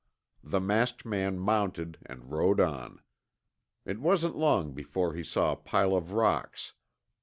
The masked man mounted and rode on. It wasn't long before he saw a pile of rocks.